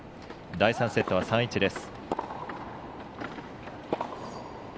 第３セットは３−１です。